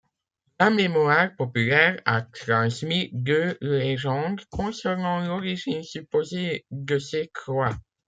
La mémoire populaire a transmis deux légendes concernant l'origine supposée de ces croix.